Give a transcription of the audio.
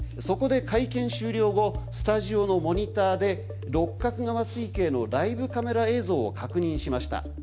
そこで会見終了後スタジオのモニターで六角川水系のライブカメラ映像を確認しました。